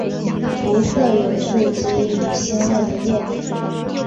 无色有刺激腥臭味的液体。